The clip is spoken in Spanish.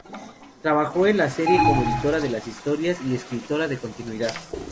Trabajó en la serie como editora de las historias y escritora de continuidad.